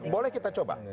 boleh kita coba